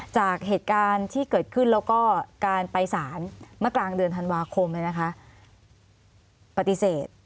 จากเหตุการณ์ที่เกิดขึ้นแล้วก็การไปสารเมื่อกลางเดือนธันวาคมปฏิเสธ